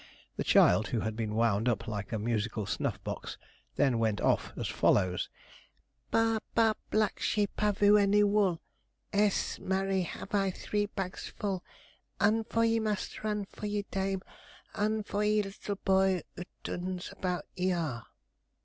The child, who had been wound up like a musical snuff box, then went off as follows: 'Bah, bah, back sheep, have 'ou any 'ool? Ess, marry, have I, three bags full; Un for ye master, un for ye dame, Un for ye 'ittle boy 'ot 'uns about ye 'are.'